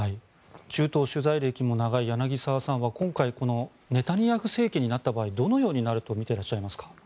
中東取材歴の長い柳澤さんは今回ネタニヤフ政権になった場合どのようになると見ていらっしゃいますか？